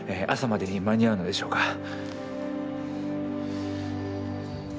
朝までに間に合うのでしょうか。